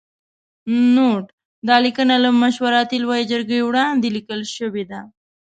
نوټ: دا لیکنه له مشورتي لویې جرګې وړاندې لیکل شوې ده.